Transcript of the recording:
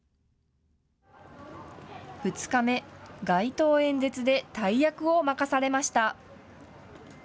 ２日目、街頭演説で大役を任されました。